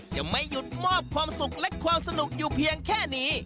จะไม่หยุดมอบความสุขและความสนุกอยู่เพียงแค่นี้